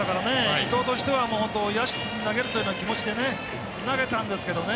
伊藤としては野手に投げるというような気持ちで投げたんですけどね。